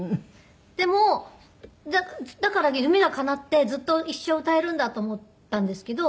でもだから夢がかなってずっと一生歌えるんだと思ったんですけど。